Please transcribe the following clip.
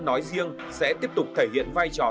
nói riêng sẽ tiếp tục thể hiện vai trò